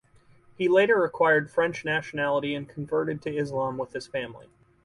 He later acquired French nationality and converted to Islam with his family.